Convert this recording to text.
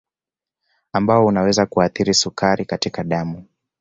Ambao unaweza kuathiri sukari katika damu